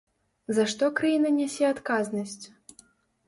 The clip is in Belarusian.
За што краіна нясе адказнасць?